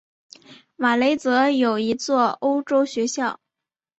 瓦雷泽有一座欧洲学校。